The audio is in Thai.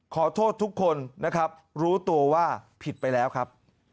ขอโทษทุกคนนะครับรู้ตัวว่าผิดไปแล้วครับ